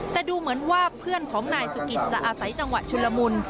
แต่ดูเหมือนว่าเพื่อนของนายสุกิตจะอาศัยจังหวะชุนละมุน